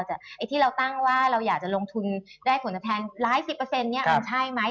ไอ้ที่เราตั้งว่าเราอยากจะลงทุนถึงเป็นภูมิแทนที่๑๐เอาใช่ไหม